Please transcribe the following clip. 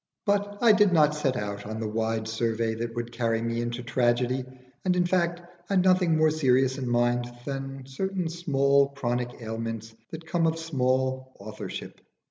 ] But I did not set out on the wide survey that would carry me into tragedy, and in fact had nothing more serious in my mind than certain small chronic ailments that come of small authorship.